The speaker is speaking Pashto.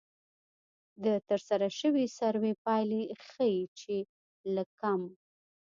د ترسره شوې سروې پایلې ښيي چې له کم